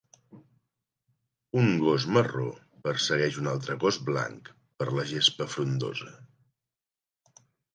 Un gos marró persegueix un altre gos blanc per la gespa frondosa